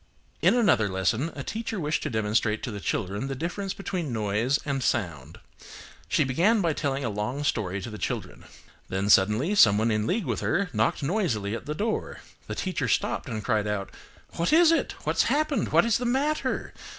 In another lesson a teacher wished to demonstrate to the children the difference between noise and sound. She began by telling a long story to the children. Then suddenly someone in league with her knocked noisily at the door. The teacher stopped and cried out–"What is it! What's happened! What is the matter!